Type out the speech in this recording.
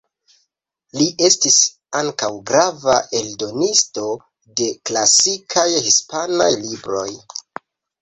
Li estis ankaŭ grava eldonisto de klasikaj hispanaj libroj.